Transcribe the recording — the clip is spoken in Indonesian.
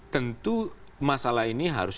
tentu masalah ini harus